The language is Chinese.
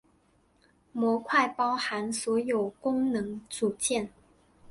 模块包含所有功能组件。